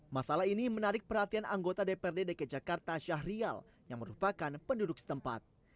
masalah ini menarik perhatian anggota dprd dki jakarta syahrial yang merupakan penduduk setempat